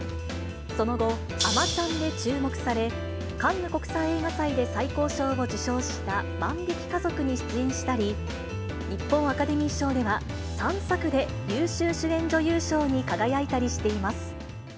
その後、あまちゃんで注目され、カンヌ国際映画祭で最高賞を受賞した万引き家族に出演したり、日本アカデミー賞では３作で優秀主演女優賞に輝いたりしています。